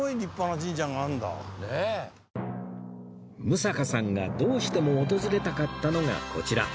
六平さんがどうしても訪れたかったのがこちら